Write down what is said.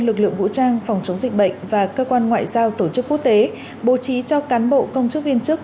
lực lượng vũ trang phòng chống dịch bệnh và cơ quan ngoại giao tổ chức quốc tế bố trí cho cán bộ công chức viên chức